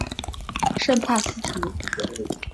圣帕斯图。